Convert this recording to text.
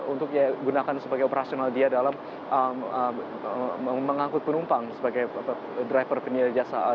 untuk gunakan sebagai operasional dia dalam mengangkut penumpang sebagai driver penyedia jasa